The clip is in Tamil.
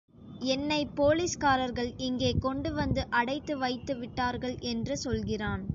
என்னைப் போலீஸ்காரர்கள் இங்கே கொண்டு வந்து அடைத்து வைத்து விட்டார்கள் என்று சொல்கிறான்.